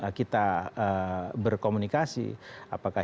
apakah itu berbicara tentang kebijakan tentang kebijakan tentang kebijakan